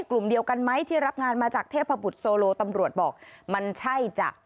กลุ่มเดียวกันไหมที่รับงานมาจากเทพบุตรโซโลตำรวจบอกมันใช่จ้ะ